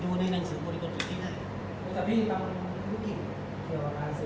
ดูในหนังสือบริกฤติที่ไทย